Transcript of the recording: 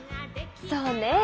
そうね！